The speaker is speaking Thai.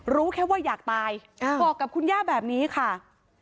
รู้แค่ว่าอยากตายบอกกับคุณย่าแบบนี้ค่ะ